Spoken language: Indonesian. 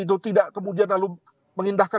itu tidak kemudian lalu mengindahkan